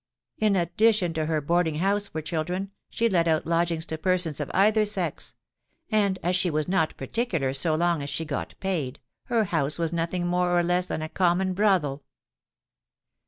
In addition to her boarding house for children, she let out lodgings to persons of either sex; and, as she was not particular so long as she got paid, her house was nothing more or less than a common brothel.